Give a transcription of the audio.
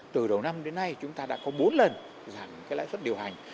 từ đầu năm đến nay chúng ta đã có bốn lần giảm cái lãi suất điều hành